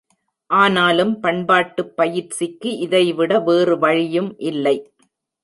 ஆனாலும் பண்பாட்டுப் பயிற்சிக்கு இதைவிட வேறு வழியும் இல்லை.